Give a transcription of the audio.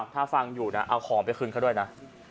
ถ้าฟังอยู่นะเอาของไปคืนเขาด้วยนะ